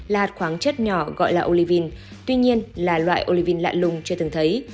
là hạt khoáng chất nhỏ gọi là olivine tuy nhiên là loại olivine lạ lùng chưa từng thấy